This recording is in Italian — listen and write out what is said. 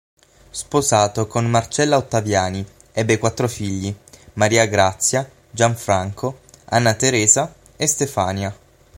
Sposato con Marcella Ottaviani, ebbe quattro figli: Maria Grazia, Gianfranco, Anna Teresa, e Stefania.